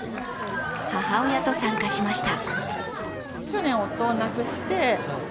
母親と参加しました。